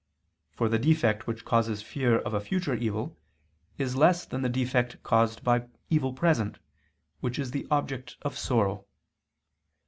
For the defect which causes fear of a future evil, is less than the defect caused by evil present, which is the object of sorrow.